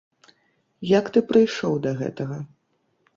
Як ты прыйшоў да гэтага?